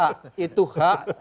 semua posting itu hak